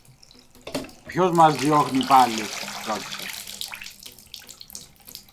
Ποιος μας διώχνει πάλι; ρώτησε.